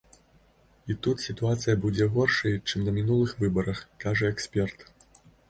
І тут сітуацыя будзе горшай, чым на мінулых выбарах, кажа эксперт.